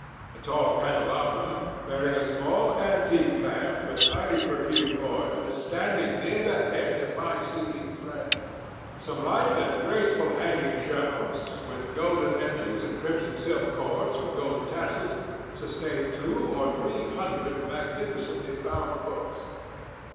A tall candelabrum, bearing a small antique lamp with highly perfumed oil, is standing near the head of my sleeping friend. Some light and graceful hanging shelves, with golden edges and crimson silk cords with gold tassels, sustain two or three hundred magnificently bound books.